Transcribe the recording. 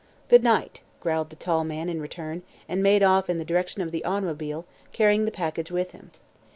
"Good night," growled the tall man in return and made off in the direction of the automobile, carrying the package with him.